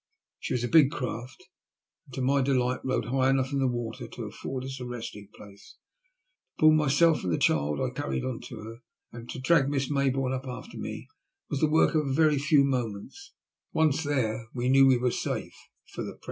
She was a big craft, and, to my delight, rode high enough out of the water to afford us a resting place. To pull myself and the child I carried on to her, and to drag Miss Maybourne up after me, was the work of a very few moments.